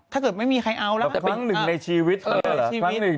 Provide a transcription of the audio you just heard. ท้าเกิดไม่มีใครเอาจะเป็นครั้งหนึ่งในชีวิตเหรอ